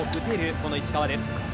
この石川です。